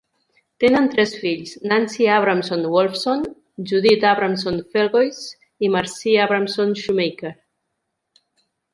Tenen tres fills: Nancy Abramson Wolfson, Judith Abramson Felgoise i Marcy Abramson Shoemaker.